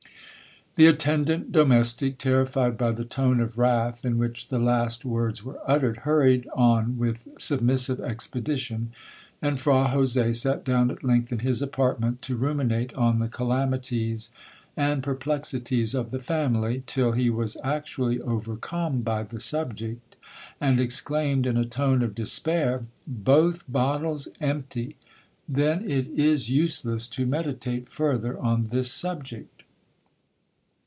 'The attendant domestic, terrified by the tone of wrath in which the last words were uttered, hurried on with submissive expedition, and Fra Jose sat down at length in his apartment to ruminate on the calamities and perplexities of the family, till he was actually overcome by the subject, and exclaimed in a tone of despair, 'Both bottles empty! Then it is useless to meditate further on this subject.'